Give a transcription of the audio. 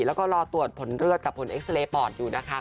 แล้วก็รอตรวจผลเลือดกับผลเอ็กซาเรย์ปอดอยู่นะคะ